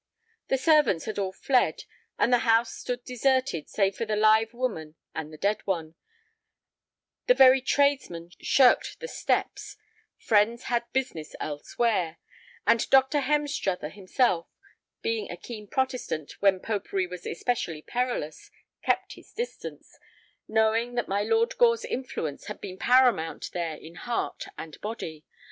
The servants had all fled, and the house stood deserted save for the live woman and the dead one; the very tradesmen shirked the steps; friends had business elsewhere; and Dr. Hemstruther himself, being a keen Protestant when popery was especially perilous, kept his distance, knowing that my Lord Gore's influence had been paramount there in heart and body.